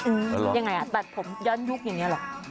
ยังไงอ่ะตัดผมย้อนยุคอย่างนี้หรอ